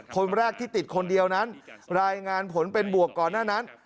คนแรกที่ติดคนเดียวนั้นรายงานผลเป็นบวกก่อนหน้านั้น